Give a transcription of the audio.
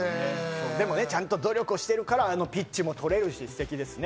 でもちゃんと努力してるからピッチも取れるし、ステキですね。